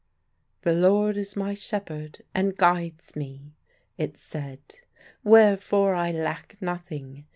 "The Lord is my Shepherd, and guides me," it said, "wherefore I lack nothing.